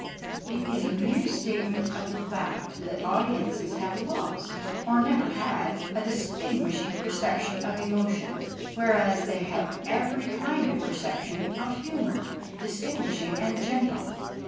It is a mere statement of the fact that audiences have lost, or never had, a distinguishing perception of emotion, whereas they have every kind of perception of humour, distinguishing and general.